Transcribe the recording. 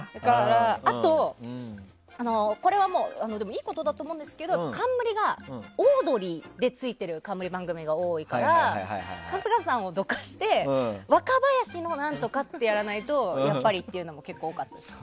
あと、これはいいことだと思うんですけど冠が「オードリー」でついてる冠番組が多いから春日さんをどかして若林の何とかってやらないとやっぱりっていうのも結構多かったです。